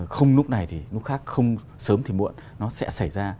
không lúc này thì lúc khác không sớm thì muộn nó sẽ xảy ra